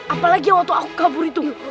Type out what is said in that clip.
apalagi waktu aku kabur itu